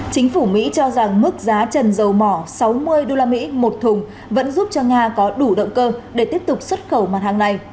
chính phủ mỹ cho rằng mức giá trần dầu mỏ sáu mươi usd một thùng vẫn giúp cho nga có đủ động cơ để tiếp tục xuất khẩu mặt hàng này